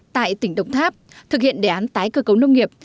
tại tỉnh đồng tháp thực hiện đề án tái cơ cấu nông nghiệp